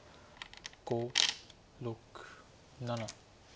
５６７。